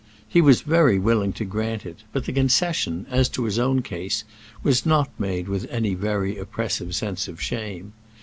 He was very willing to grant it, but the concession, as to his own case, was not made with any very oppressive sense of shame.